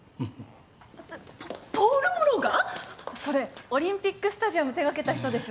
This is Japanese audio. それオリンピックスタジアム手掛けた人でしょ？